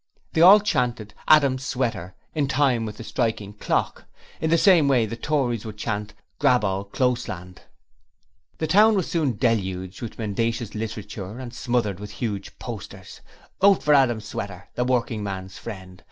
They all chanted A dam Sweat er' in time with the striking clock. In the same way the Tories would chant: 'Grab all Close land! Grab all Close land! Grab all Close land! Grab all Close land!' The town was soon deluged with mendacious literature and smothered with huge posters: 'Vote for Adam Sweater! The Working man's Friend!'